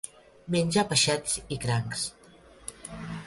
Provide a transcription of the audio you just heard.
Menja peixets i crancs.